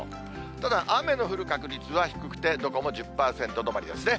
ただ雨の降る確率は低くて、どこも１０％止まりですね。